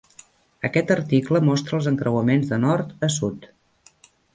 Aquest article mostra els encreuaments de nord a sud.